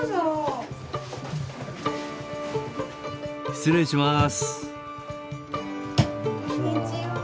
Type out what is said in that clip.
失礼します。